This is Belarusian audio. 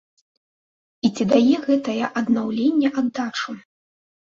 І ці да е гэта е аднаўленне аддачу?